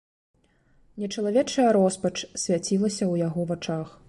Нечалавечая роспач свяцілася ў яго вачах.